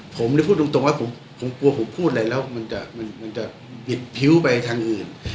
ผมเลยพูดตรงว่าผมกลัวผมพูดอะไรแล้วมันจะผิดพิ้วไปทางอื่น